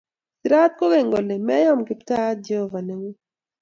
Sirat kogeny kole, Meyom Kiptaiyat Jehovah neng'ung'.